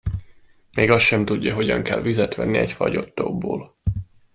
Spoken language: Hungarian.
Még azt sem tudja, hogyan kell vizet venni egy fagyott tóból.